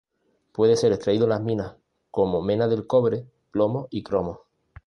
Puede ser extraído en las minas como mena del cobre, plomo y cromo.